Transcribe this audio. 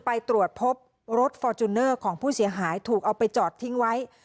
ไปตรวจพบรถฟอร์จูเนอร์ของผู้เสียหายถูกเอาไปจอดทิ้งไว้